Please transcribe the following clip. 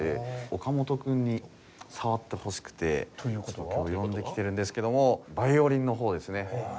岡本君に触ってほしくて今日呼んできてるんですけどもヴァイオリンの方ですね。